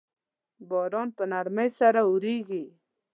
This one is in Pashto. باران په نرمۍ سره اوریږي